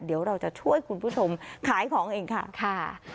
เดี๋ยวเราจะช่วยคุณผู้ชมขายของเองค่ะ